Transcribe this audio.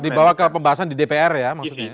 jadi dibawa ke pembahasan di dpr ya maksudnya